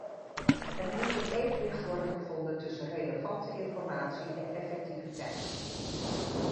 Er moet een evenwicht worden gevonden tussen relevante informatie en effectiviteit.